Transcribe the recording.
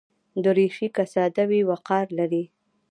دریشي که ساده وي، وقار لري.